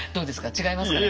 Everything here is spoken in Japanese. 違いますかねこれ。